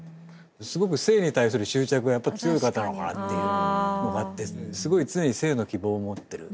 すごく生に対しての執着がやっぱり強い方なのかなっていうのがあって常に生の希望を持ってる。